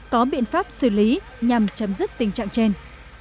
có biện pháp xử lý nhằm chấm dứt tình trạng trên